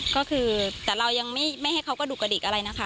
ก็คือแต่เรายังไม่ให้เขากระดูกกระดิกอะไรนะคะ